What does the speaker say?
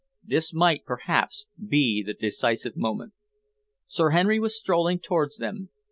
This might, perhaps, be the decisive moment. Sir Henry was strolling towards them.